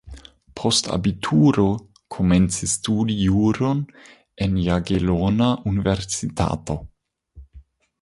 Post abituro komencis studi juron en Jagelona Universitato.